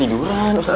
aduh anak anak